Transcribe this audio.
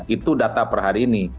itu data per hari ini